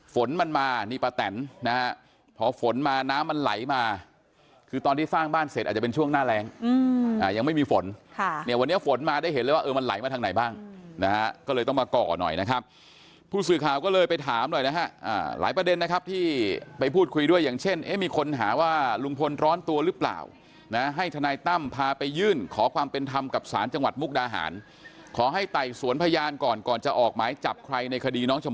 ฝนมันมานี่ประแตนนะฮะพอฝนมาน้ำมันไหลมาคือตอนที่สร้างบ้านเสร็จอาจจะเป็นช่วงหน้าแรง